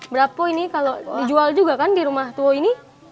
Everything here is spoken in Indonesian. berapa ini kalau dijual juga kan di rumah tua ini